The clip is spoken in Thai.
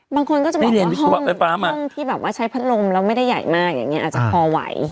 บางคนก็จะไม่ได้เหรียญที่แบบว่าใช้พัดลมแล้วไม่ได้ใหญ่มากอย่างนี้อาจจะพอไหว